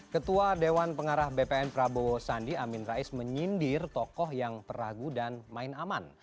ketua dewan pengarah bpn prabowo sandi amin rais menyindir tokoh yang peragu dan main aman